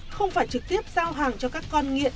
không phải trực tiếp giao hàng cho các con nghiện